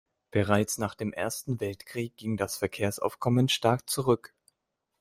Bereits nach dem Ersten Weltkrieg ging das Verkehrsaufkommen stark zurück.